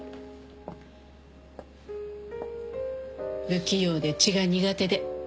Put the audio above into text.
不器用で血が苦手で。